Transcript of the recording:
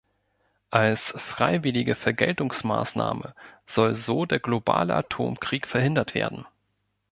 Als freiwillige Vergeltungsmaßnahme soll so der globale Atomkrieg verhindert werden.